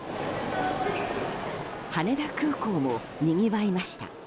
羽田空港もにぎわいました。